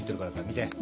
見て。